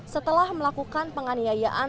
setelah melakukan penganiayaan